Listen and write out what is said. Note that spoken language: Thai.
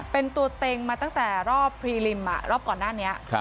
เป็นตัวเต็งมาตั้งแต่รอบพรีลิมรอบก่อนหน้านี้